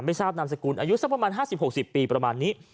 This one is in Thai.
ไม่ทราบนามสกุลอายุสักประมาณห้าสิบหกสิบปีประมาณนี้